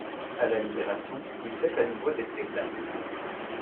À la Libération, il fait à nouveau des spectacles.